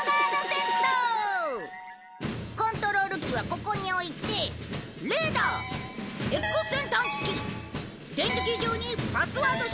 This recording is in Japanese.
コントロール機はここに置いてレーダーＸ線探知機電撃銃にパスワード識別ロック。